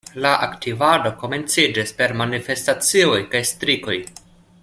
La aktivado komenciĝis per manifestacioj kaj strikoj.